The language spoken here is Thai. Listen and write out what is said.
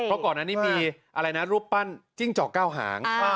เพราะก่อนนั้นนี่มีรูปปั้นกิ้งเจาะเก้าหาง